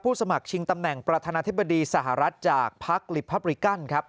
สมัครชิงตำแหน่งประธานาธิบดีสหรัฐจากพักลิพับริกันครับ